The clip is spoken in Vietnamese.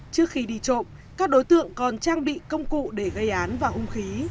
trước khi đi trộm các đối tượng còn trang bị công cụ để gây án và hung khí